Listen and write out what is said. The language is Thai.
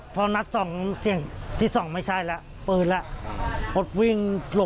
พอนัสส่งเสียงที่๒ไม่ใช่แล้วปืนก็ระหละ